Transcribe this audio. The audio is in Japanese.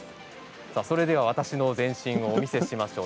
それでは私の全身をお見せしましょう。